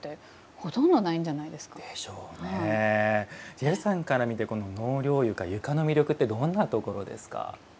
ジェフさんから見てこの納涼床床の魅力ってどんなところですか？